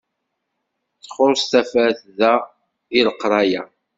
Txuṣṣ tafat da i leqraya.